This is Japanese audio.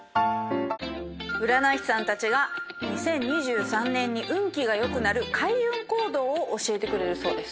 占い師さんたちが２０２３年に運気が良くなる開運行動を教えてくれるそうです。